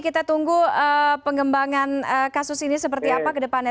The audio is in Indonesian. kita tunggu pengembangan kasus ini seperti apa ke depannya